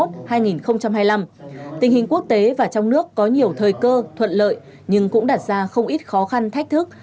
tình hình quốc tế và trong nước có nhiều thời cơ thuận lợi nhưng cũng đặt ra không ít khó khăn thách thức